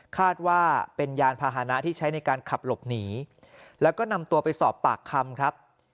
คาดว่าเป็นยานพาหนะที่ใช้ในการขับหลบหนีแล้วก็นำตัวไปสอบปากคำครับ